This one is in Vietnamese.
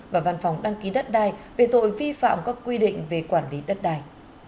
và văn phòng đăng ký đất đai về tội vi phạm các quy định về quản lý đất đài